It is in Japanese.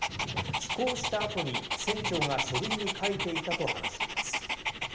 帰港したあとに船長が書類に書いていたと話しています。